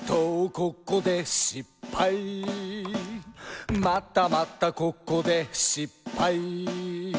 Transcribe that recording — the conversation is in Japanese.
ここでしっぱい」「またまたここでしっぱい」